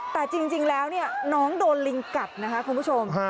แต่จริงแล้วเนี่ยน้องโดนลิงกัดนะคะคุณผู้ชม